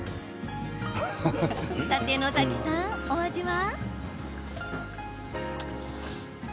さて野崎さん、お味は？